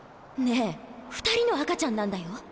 ねえ２人の赤ちゃんなんだよ？